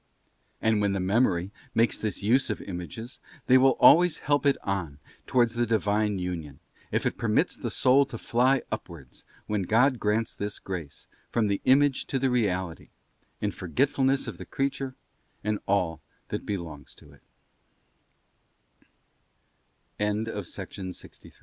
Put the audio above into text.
And when the Memory makes this use of images they will always help it on towards the Divine union, if it permits the soul to fly upwards, when God grants this grace, from the image to the reality, in forgetfulness of the creature and all that